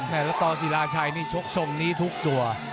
แล้วต้นสีราชัยนี่ชกท์ทรงนี้ทุกตัว